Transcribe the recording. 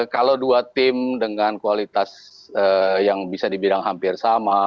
kalau dua tim dengan kualitas yang bisa dibilang hampir sama